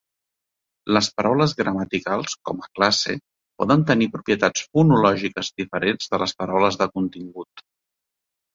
Les paraules gramaticals, com a classe, poden tenir propietats fonològiques diferents de les paraules de contingut.